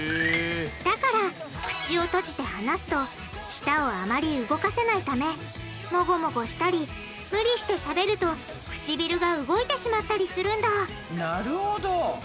だから口を閉じて話すと舌をあまり動かせないためモゴモゴしたり無理してしゃべるとくちびるが動いてしまったりするんだなるほど！